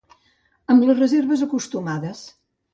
Amb les reserves acostumades.